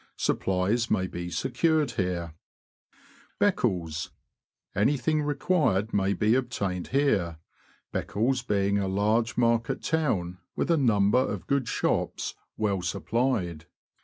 Supplies may be secured here. Btccles. — Anything required may be obtained here, Beccles being a large market town, with a number of good shops, well supplied.